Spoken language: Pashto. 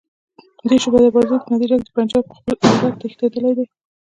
دې شعبده بازیو په نتیجه کې د پنجاب خپله عورته تښتېدلې ده.